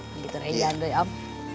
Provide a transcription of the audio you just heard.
begitu raya ya andai om